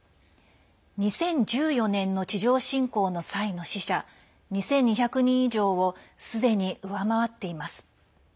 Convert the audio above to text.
２０１４年の地上侵攻の際の死者２２００人以上をすでに上回っています。